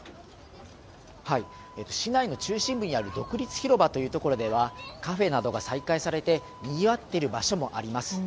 市内の中心部にある独立広場というところではカフェなどが再開されてにぎわっている場所もあります。